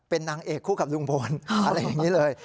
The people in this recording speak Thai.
เป็นนางเอกคู่กับลุงพลอะไรอย่างนี้เลย